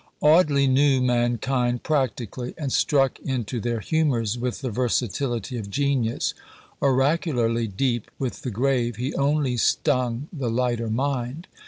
Audley knew mankind practically, and struck into their humours with the versatility of genius: oracularly deep with the grave, he only stung the lighter mind.